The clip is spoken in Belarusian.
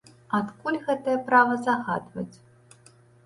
Адкуль гэтае права загадваць?